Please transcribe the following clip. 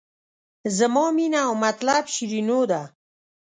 زما مینه او مطلب شیرینو ده.